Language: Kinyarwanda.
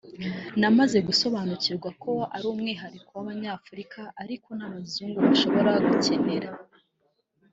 namaze gusobanukirwa ko ari umwihariko w’Abanyafurika ariko n’abazungu bashobora gukenera”